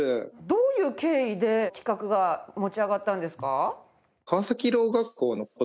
どういう経緯で企画が持ち上がったんですか？